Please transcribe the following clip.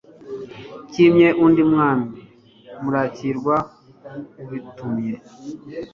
Cyimye undi mwami Murakirwa ubitumye